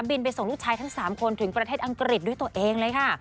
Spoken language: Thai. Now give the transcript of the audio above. ไปส่งลูกชายทั้ง๓คนถึงประเทศอังกฤษด้วยตัวเองเลยค่ะ